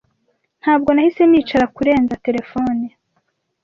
Ntabwo nahise nicara kurenza telefone.